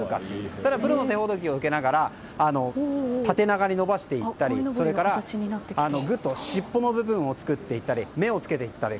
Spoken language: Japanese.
ただプロの手ほどきを受けながら縦長に伸ばしていったりぐっと尻尾の部分を作っていったり目をつけていったり。